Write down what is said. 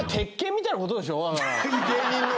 芸人の？